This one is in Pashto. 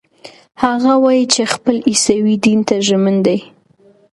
هغه وايي چې خپل عیسوي دین ته ژمن دی.